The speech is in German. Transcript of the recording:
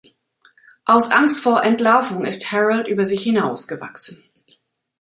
Aus Angst vor Entlarvung ist Harold über sich hinaus gewachsen.